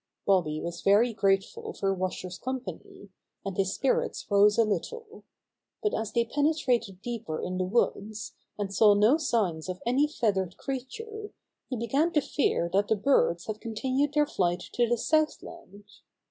Bobby was very grateful for Washer's company, and his spirits rose a little. But as they penetrated deeper in the woods, and saw no signs of any feath ered creature, he began to fear that the birds had continued their flight to the Southland.